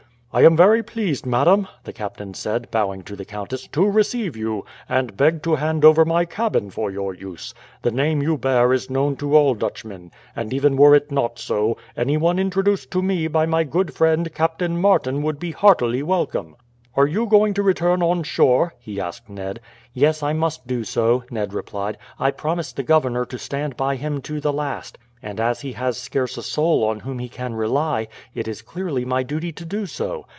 "I am very pleased, madam," the captain said, bowing to the countess, "to receive you, and beg to hand over my cabin for your use. The name you bear is known to all Dutchmen; and even were it not so, anyone introduced to me by my good friend Captain Martin would be heartily welcome. "Are you going to return on shore?" he asked Ned. "Yes, I must do so," Ned replied. "I promised the governor to stand by him to the last; and as he has scarce a soul on whom he can rely, it is clearly my duty to do so.